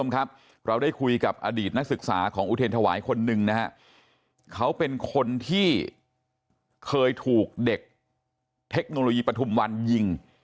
เขาเป็นคนที่เคยถูกเด็กเทคโนโลยีประถุมวันยิง